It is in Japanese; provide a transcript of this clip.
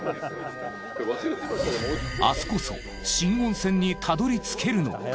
明日こそ新温泉にたどり着けるのか。